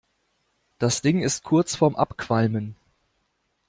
Das Ding ist kurz vorm Abqualmen.